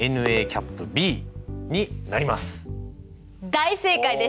大正解です！